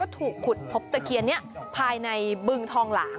ถูกขุดพบตะเคียนนี้ภายในบึงทองหลาง